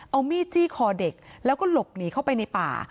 เอามีดจี้คอเด็กแล้วก็หลบหนีเข้าไปในป่า